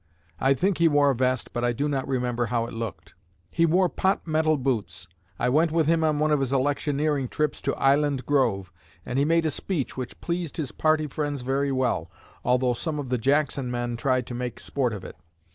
I think he wore a vest, but I do not remember how it looked. He wore pot metal boots. I went with him on one of his electioneering trips to Island Grove, and he made a speech which pleased his party friends very well, although some of the Jackson men tried to make sport of it.